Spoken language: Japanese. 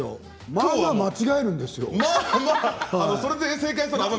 まあまあ間違えるんですよ。